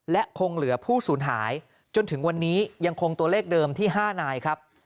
และคงเหลือผู้สูญหายจนถึงวันนี้ยังคงตัวเลขเดิมที่๕นายครับ